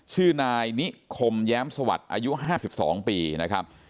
ชื่อนายนิคมแย้มสวัสดิ์อายุ๕๒ปีนะครับ